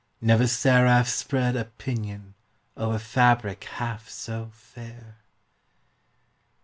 Never seraph spread a pinion Over fabric half so fair!